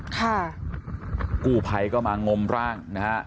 กู้ภัยก็มางมร่างนะฮะ